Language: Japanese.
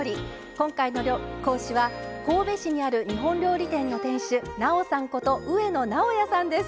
今回の講師は神戸市にある日本料理店の店主なおさんこと上野直哉さんです。